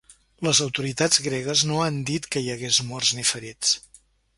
Les autoritats gregues no han dit que hi hagués morts ni ferits.